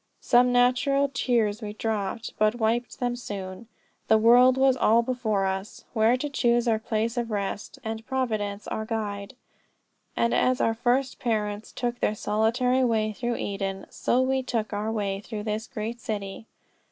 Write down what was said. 'Some natural tears we dropped, but wiped them soon. Tho world was all before us, where to choose Our place of rest, and Providence our guide.' And as our first parents took their solitary way through Eden, so we took our way through this great city.